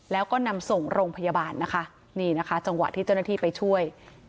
แล้วก็นำส่งโรงพยาบาลนะคะนี่นะคะจังหวะที่เจ้าหน้าที่ไปช่วย